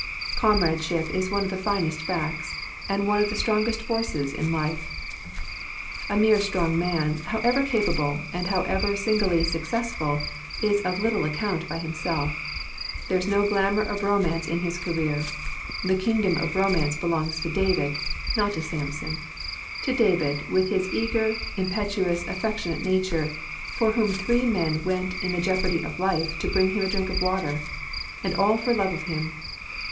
Comradeship is one of the finest facts, and one of the strongest forces in life. A mere strong man, however capable, and however singly successful, is of little ac count by himself. There is no glamour of romance in his career. The kingdom of Romance belongs to David, not to Samson — ^to David, with his eager, im petuous, affectionate nature, for whom three men went in the jeopardy of life to bring him a drink of water; and all for love of him.